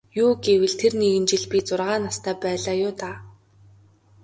Юу гэвэл тэр нэгэн жил би зургаан настай байлаа юу даа.